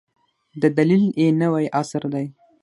د دلیل یې نوی عصر دی.